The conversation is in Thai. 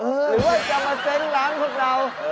หรือว่าจะมาเซ้งร้านพวกเรา